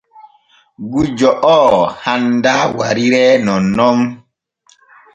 Gujjo oo handaa wariree nonnon.